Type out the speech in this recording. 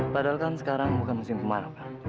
padahal kan sekarang bukan mesin kemarau kan